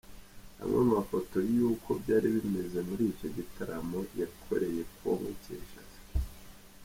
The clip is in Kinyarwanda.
Amwe mu mafoto y'uko byari bimeze muri icyo gitaramo yakoreye Congo-Kinshasa.